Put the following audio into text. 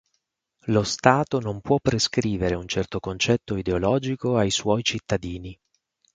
Lo Stato non può prescrivere un certo concetto ideologico ai suoi cittadini.